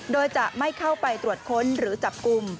โดยจะไม่เข้าไปตรวจค้นหรือจับกลุ่ม